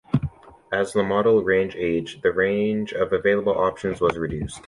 As the model range aged, the range of available options was reduced.